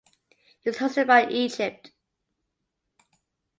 It was hosted by Egypt.